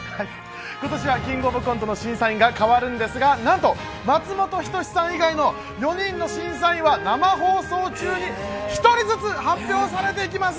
今年は「キングオブコント」の審査員が変わるんですが、なんと松本人志さん以外の４人の審査員は生放送中に１人ずつ発表されていきます。